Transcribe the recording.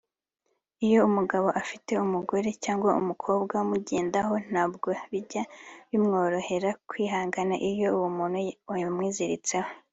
Iyo umugabo afite umugore cyangwa umukobwa umugendaho ntabwo bijya bimworohera kwihangana iyo uwo muntu yamwiziritseho